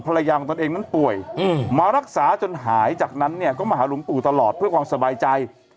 ภรรยาของตนเองนั้นป่วยมารักษาจนหายจากนั้นเนี่ยก็มาหาหลวงปู่ตลอดเพื่อความสบายใจ